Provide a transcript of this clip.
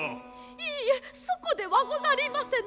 いいえそこではごさりませぬ。